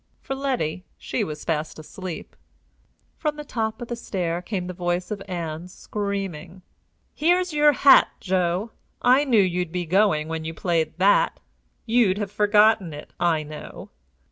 For Letty, she was fast asleep. From the top of the stair came the voice of Ann, screaming: "Here's your hat, Joe. I knew you'd be going when you played that. You'd have forgotten it, I know!"